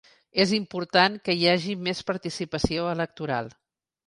És important que hi hagi més participació electoral.